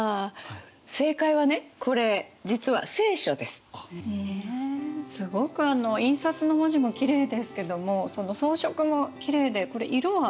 すごくあの印刷の文字もきれいですけどもその装飾もきれいでこれ色は。